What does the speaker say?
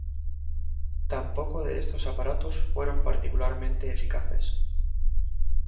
Tampoco de estos aparatos fueron particularmente eficaces.